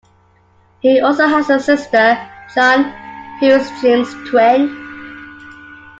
He also has a sister, Jan, who is Jim's twin.